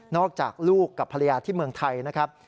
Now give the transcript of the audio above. จากลูกกับภรรยาที่เมืองไทยนะครับ